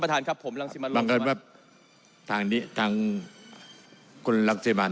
บางการว่าทางนี้ทางคนรักษมณฑ์